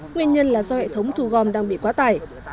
nguyên nhân là do hệ thống thu gom đang bị quá tải